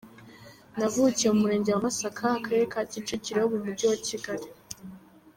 Navukiye mu murenge wa Masaka, Akarere ka Kicukiro mu mujyi wa Kigali.